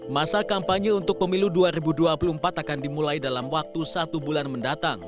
masa kampanye untuk pemilu dua ribu dua puluh empat akan dimulai dalam waktu satu bulan mendatang